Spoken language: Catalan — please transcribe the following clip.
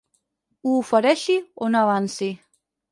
Ho ofereixi o no avanci.